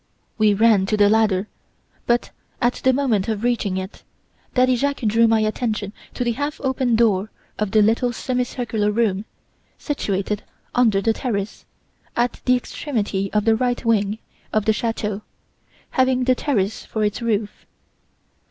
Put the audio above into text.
"We ran to the ladder, but at the moment of reaching it, Daddy Jacques drew my attention to the half open door of the little semi circular room, situated under the terrace, at the extremity of the right wing of the chateau, having the terrace for its roof.